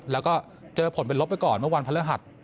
แล้วก็เจอผลเป็นลบไปก่อนเมื่อวันพระฤหัส